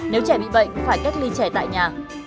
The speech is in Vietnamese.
nếu trẻ bị bệnh phải cách ly trẻ tại nhà